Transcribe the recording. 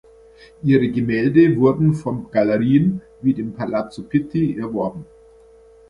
Ihre Gemälde wurden von Galerien wie dem Palazzo Pitti erworben.